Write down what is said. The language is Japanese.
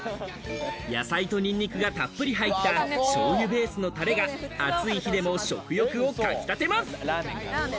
野菜とニンニクがたっぷり入ったしょうゆベースのタレが暑い日でも食欲をかきたてます。